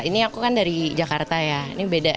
ini aku kan dari jakarta ya